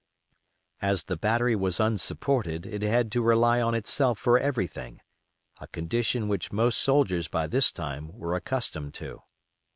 As the battery was unsupported it had to rely on itself for everything, a condition which most soldiers by this time were accustomed to.